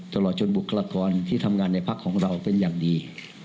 ตลอดจนบุคลากรที่ทำงานในพักของเราเป็นอย่างดี